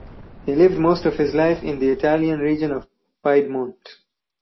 He lived most of his life in the Italian region of Piedmont.